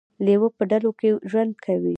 لیوه په ډلو کې ژوند کوي